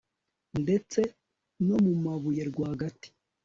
ndetse no mu mabuye rwagati